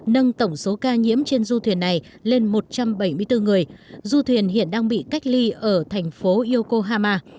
nâng tổng số ca nhiễm trên du thuyền này lên một trăm bảy mươi bốn người du thuyền hiện đang bị cách ly ở thành phố yokohama